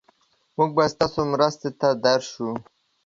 مونږ به ستاسو مرستې ته درشو.